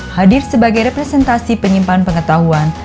hadir sebagai representasi penyimpan pengetahuan